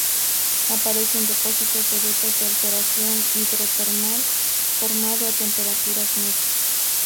Aparece en depósitos de vetas de alteración hidrotermal, formado a temperaturas medias.